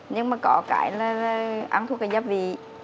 nhưng mà có cái là ăn thuốc giáp vị